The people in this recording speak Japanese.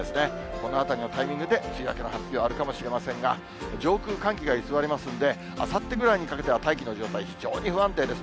このあたりのタイミングで、梅雨明けの発表あるかもしれませんが、上空、寒気が居座りますので、あさってぐらいにかけては、大気の状態、非常に不安定です。